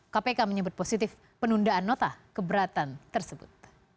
kpk menyebut positif penundaan nota keberatan tersebut